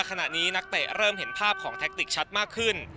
นักเตะเริ่มเห็นภาพของแท็กติกชัดมากขึ้น